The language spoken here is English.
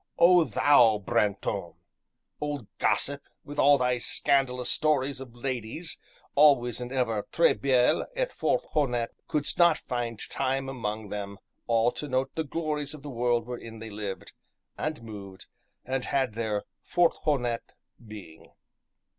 And thou, Brantome! old gossip, with all thy scandalous stories of ladies, always and ever "tres belle, et fort honnete," couldst not find time among them all to note the glories of the world wherein they lived, and moved, and had their "fort honnete" being?